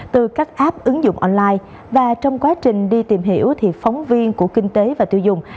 từ các app ứng dụng online và trong quá trình đi tìm hiểu thì phóng viên của kinh tế và tiêu dùng